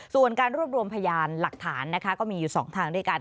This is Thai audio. ส่วนการรวบรวมพยานหลักฐานนะคะก็มีอยู่๒ทางด้วยกัน